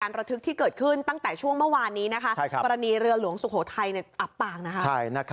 ระทึกที่เกิดขึ้นตั้งแต่ช่วงเมื่อวานนี้นะคะกรณีเรือหลวงสุโขทัยอับปางนะคะ